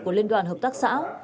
của liên đoàn hợp tác xã